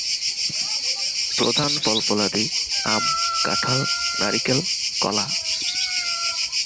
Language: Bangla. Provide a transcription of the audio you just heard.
প্রধান ফল-ফলাদি আম, কাঁঠাল, নারিকেল, কলা।